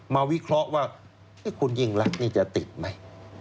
วิเคราะห์ว่าคุณยิ่งรักนี่จะติดไหม